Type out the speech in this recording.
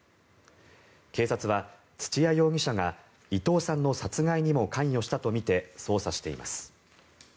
警察は、土屋容疑者が伊藤さんの殺害にも関与したとみて捜査しています。